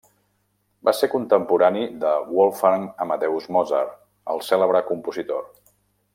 Va ser contemporani de Wolfgang Amadeus Mozart, el cèlebre compositor.